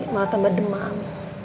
malah tambah demam